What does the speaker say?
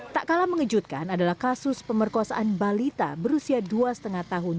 tak kalah mengejutkan adalah kasus pemerkosaan balita berusia dua lima tahun